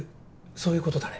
そういうことだね？